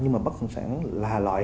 nhưng mà bất động sản là loại